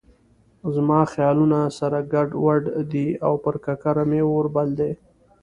زما خیالونه سره ګډ وډ دي او پر ککره مې اور بل دی.